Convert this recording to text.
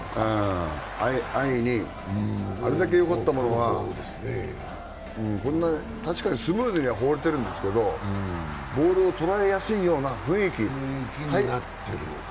安易に、あれだけよかったものが確かにスムーズにはほうれてはいるんですけどボールを捉えやすいような雰囲気。